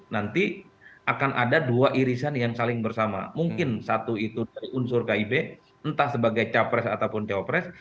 nanti akan ada dua irisan yang saling bersama mungkin satu itu dari unsur kib entah sebagai capres ataupun cawapres